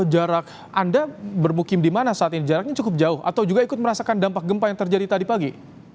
jarak anda bermukim di mana saat ini jaraknya cukup jauh atau juga ikut merasakan dampak gempa yang terjadi tadi pagi